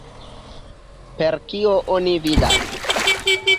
Per kio oni vidas?